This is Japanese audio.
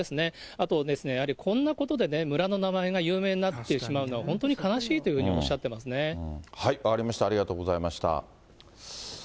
あとですね、やはり、こんなことで村の名前が有名になってしまうのは本当に悲しいとい分かりました、ありがとうございました。